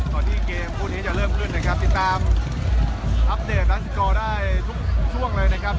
ตอนที่เกมพูดนี้จะเริ่มลื่นนะครับติดตามได้ทุกช่วงเลยนะครับ